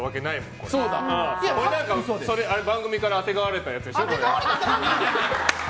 これ、番組からあてがわれたやつでしょ。